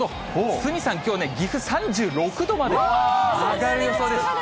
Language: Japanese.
鷲見さん、きょうね、岐阜３６度まで上がる予想です。